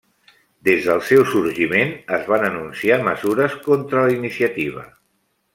Des del seu sorgiment es van anunciar mesures contra la iniciativa.